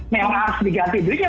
memang harus diganti duitnya